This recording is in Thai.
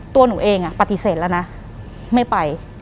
ตัวหนูเองปฏิเสธแล้วนะไม่ไป